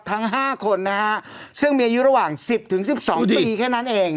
ทั้ง๕คนนะฮะซึ่งมีอายุระหว่าง๑๐๑๒ปีแค่นั้นเอง